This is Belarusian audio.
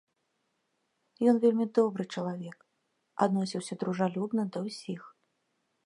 Ён вельмі добры чалавек, адносіўся дружалюбна да ўсіх.